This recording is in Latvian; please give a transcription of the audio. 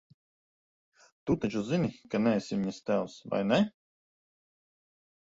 Tu taču zini, ka neesi viņas tēvs, vai ne?